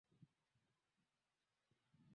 mwaka elfu moja mia tisa kumi na sita